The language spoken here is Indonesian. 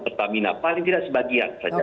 pertamina paling tidak sebagian saja